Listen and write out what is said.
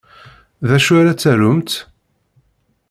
D acu ara tarumt?